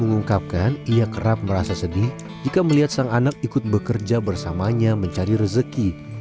mengungkapkan ia kerap merasa sedih jika melihat sang anak ikut bekerja bersamanya mencari rezeki